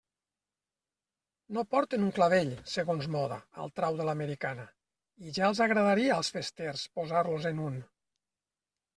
No porten un clavell, segons moda, al trau de l'americana —i ja els agradaria als festers posar-los-en un.